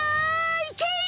いけ！